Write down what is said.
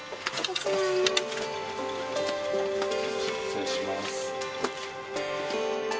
失礼します。